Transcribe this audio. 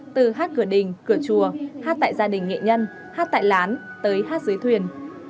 từ hát cửa đình cửa chùa hát tại gia đình nghệ nhân hát tại lán tới hát dưới thuyền